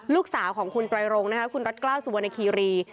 ลูกสาวของคุณปรายโรงคุณรัฐกล้าวสุวรรณคีรี